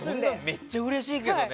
めっちゃうれしいけどね。